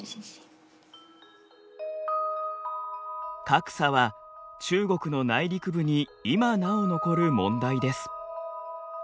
格差は中国の内陸部に今なお残る問題です。